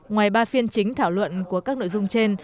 ngoài ba phiên chính thảo luận của các nội dung trên